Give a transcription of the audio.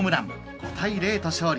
５対０と勝利。